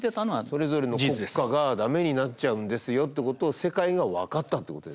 それぞれの国家が駄目になっちゃうんですよってことを世界が分かったってことですね。